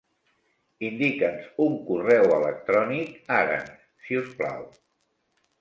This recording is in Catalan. Indica'ns un correu electrònic ara, si us plau.